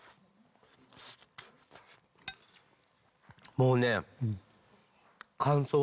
もうね。